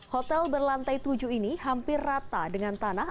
hotel berlantai tujuh ini hampir rata dengan tanah